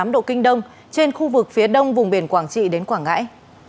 một trăm linh chín tám độ kinh đông trên khu vực phía đông vùng biển quảng trị đến quảng ngãi